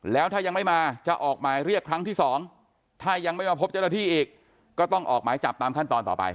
แล้วถ้ายังไม่มาจะออกหมายเรียกครั้งที่๒ถ้ายังไม่มาพบเจ้าหน้าที่อีกก็ต้องออกหมายจับตามขั้นตอนต่อไป